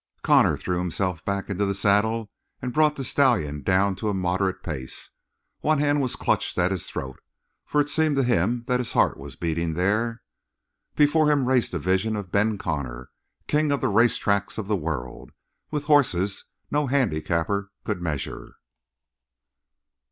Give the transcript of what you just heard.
Connor threw himself back into the saddle and brought the stallion down to a moderate pace. One hand was clutched at his throat, for it seemed to him that his heart was beating there. Before him raced a vision of Ben Connor, king of the racetracks of the world, with horses no handicapper could measure.